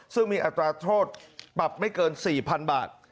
ซึ่งมีอัตราโทษปรับไม่เกิน๔๐๐๐บาท